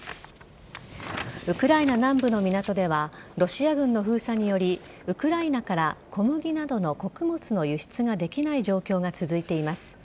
ウクライナ南部の港ではロシア軍の封鎖によりウクライナから小麦などの穀物の輸出ができない状況が続いています。